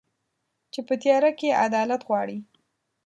چي په تیاره کي عدالت غواړي